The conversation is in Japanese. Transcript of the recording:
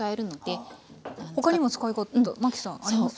他にも使い方マキさんあります？